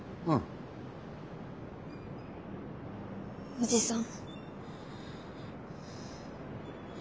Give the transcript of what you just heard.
おじさん。